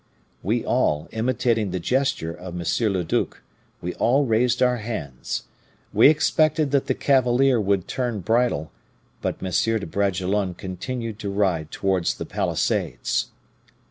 "We all, imitating the gesture of M. le duc, we all raised our hands. We expected that the cavalier would turn bridle; but M. de Bragelonne continued to ride towards the palisades.